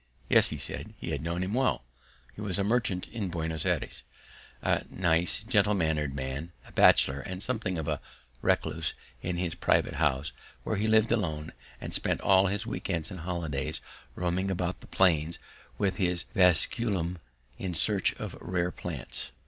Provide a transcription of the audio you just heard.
Yes, he said, he had known him well; he was a merchant in Buenos Ayres, a nice gentle mannered man, a bachelor and something of a recluse in his private house, where he lived alone and spent all his week ends and holidays roaming about the plains with his vasculum in search of rare plants.